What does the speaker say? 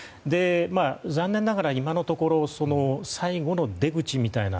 残念ながら、今のところ最後の出口みたいな